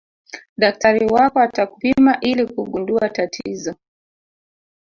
daktari wako atakupima ili kugundua tatizo